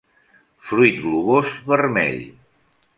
Fruit globós, vermell.